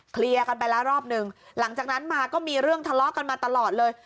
เคลียร์กันไปแล้วรอบหนึ่งหลังจากนั้นมาก็มีเรื่องทะเลาะกันมาตลอดเลย